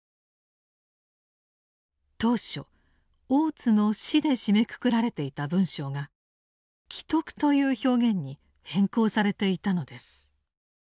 当初大津の死で締めくくられていた文章が「危篤」という表現に変更されていたのです。